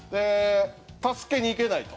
助けに行けないと。